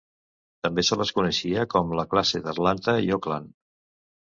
També se les coneixia com la classe d'Atlanta i Oakland.